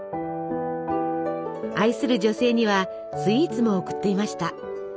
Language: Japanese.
愛する女性にはスイーツも贈っていました。